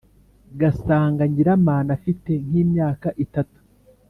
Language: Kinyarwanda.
gasanga nyiramana afite nk’imyaka itatu